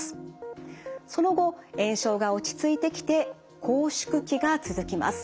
その後炎症が落ち着いてきて拘縮期が続きます。